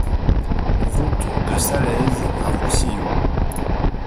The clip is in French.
Route de Salaise à Roussillon